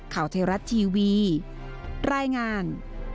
ข่าวเทราะห์ทีวีรายงาน